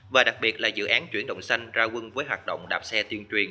và đặc biệt là dự án chuyển động xanh ra quân với hoạt động đạp xe tuyên truyền